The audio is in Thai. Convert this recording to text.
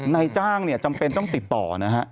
นายจ้างเนี่ยจำเป็นต้องติดต่อนะฮะ